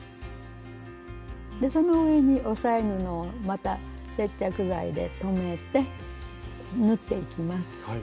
その上に押さえ布をまた接着剤で留めて縫っていきます。